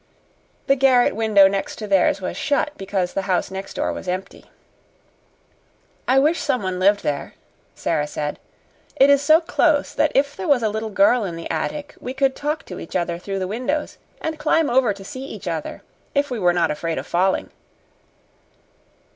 The garret window next to theirs was shut because the house next door was empty. "I wish someone lived there," Sara said. "It is so close that if there was a little girl in the attic, we could talk to each other through the windows and climb over to see each other, if we were not afraid of falling."